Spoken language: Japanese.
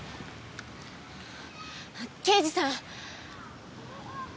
刑事さん。